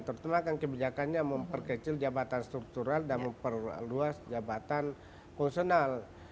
terutama kan kebijakannya memperkecil jabatan struktural dan memperluas jabatan fungsional